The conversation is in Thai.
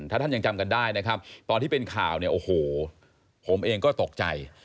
ถ้าท่านยังจำกันได้นะครับตอนที่เป็นข่าวเนี่ยโอ้โหผมเองก็ตกใจ